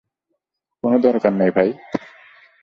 কোনো দরকার নেই, ভাই।